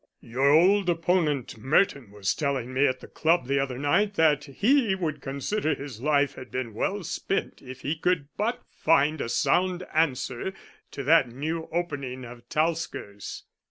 "Your old opponent Merton was telling me at the club the other night that he would consider his life had been well spent if he could but find a sound answer to that new opening of Talsker's."